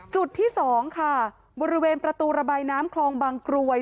จุดที่๒ค่ะบริเวณประตูระบายน้ำคลองบางกรวย